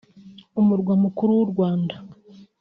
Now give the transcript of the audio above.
Umurwa Mukuru w’u Rwanda